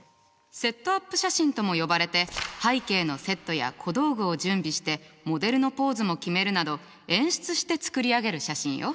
セットアップ写真とも呼ばれて背景のセットや小道具を準備してモデルのポーズも決めるなど演出して作り上げる写真よ。